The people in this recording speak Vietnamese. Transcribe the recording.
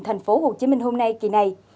thành phố hồ chí minh hôm nay kỳ này